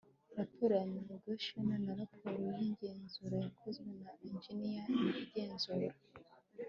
raporo ya negotiations na raporo y igenzura yakozwe na Engineer Igenzura